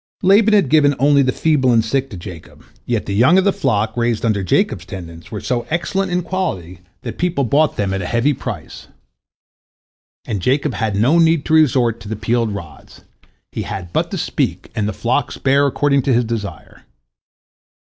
Laban had given only the feeble and sick to Jacob, yet the young of the flock, raised under Jacob's tendance, were so excellent in quality that people bought them at a heavy price. And Jacob had no need to resort to the peeled rods. He had but to speak, and the flocks bare according to his desire.